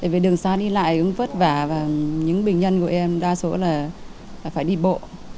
vì đường xá đi lại vất vả và những bình nhân của em đa số là phải đi bộ